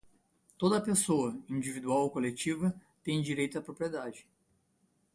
Toda a pessoa, individual ou colectiva, tem direito à propriedade.